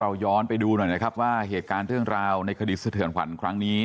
ย้อนไปดูหน่อยนะครับว่าเหตุการณ์เรื่องราวในคดีสะเทือนขวัญครั้งนี้